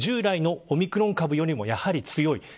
従来のオミクロン株よりも強い。